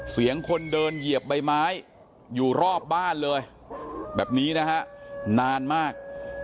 เสียงคนเดินเหยียบใบไม้อยู่รอบบ้านเลยแบบนี้นะฮะนานมาก